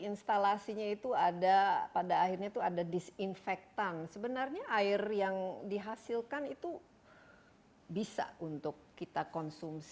instalasinya itu ada pada akhirnya itu ada disinfektan sebenarnya air yang dihasilkan itu